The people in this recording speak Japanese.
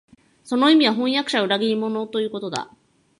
その意味は、飜訳者は裏切り者、ということだ